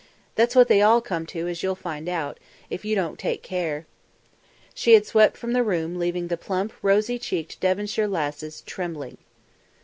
That's what they all come to, as you'll find out, if you don't take care." She had swept from the room leaving the plump, rosy cheeked Devonshire lasses trembling.